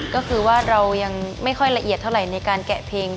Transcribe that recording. ก็คือว่าเรายังไม่ค่อยละเอียดเท่าไหร่ในการแกะเพลง